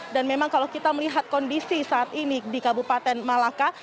dan memang kalau kita melihat kondisi saat ini di kabupaten malaka